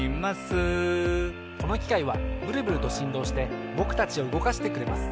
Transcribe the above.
このきかいはブルブルとしんどうしてぼくたちをうごかしてくれます。